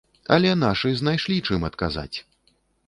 Але нашы знайшлі, чым адказаць.